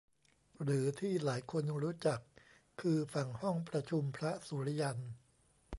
หรือที่หลายคนรู้จักคือฝั่งห้องประชุมพระสุริยัน